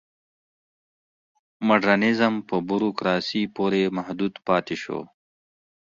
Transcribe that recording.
مډرنیزم په بوروکراسۍ پورې محدود پاتې شو.